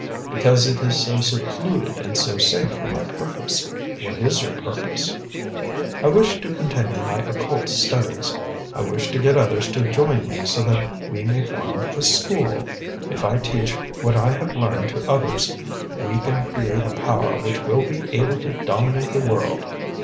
"Because it is so secluded, and so safe for my purpose." "What is your purpose?" "I wish to continue my occult studies. I wish to get others to join me so that we may form a school. If I teach what I have learned to others, we can create a power which will be able to dominate the world.